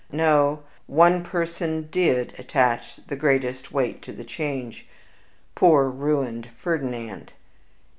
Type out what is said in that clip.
No; one person DID attach the greatest weight to the change poor, ruined Ferdinand.